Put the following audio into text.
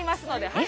はい。